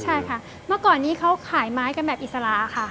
ใช่ค่ะเมื่อก่อนนี้เขาขายไม้กันแบบอิสระค่ะ